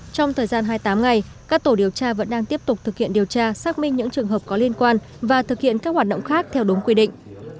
trong thời gian hai mươi tám ngày các tổ điều tra vẫn đang tiếp tục thực hiện điều tra xác minh những trường hợp có liên quan và thực hiện các hoạt động khác theo đúng quy định